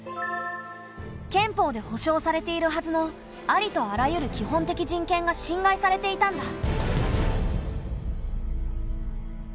憲法で保障されているはずのありとあらゆる基本的人権が侵害されていたんだ。